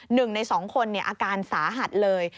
หนึ่งในสองคนอาการสาหัสเลย